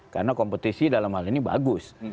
karena kompetisi dalam hal ini bagus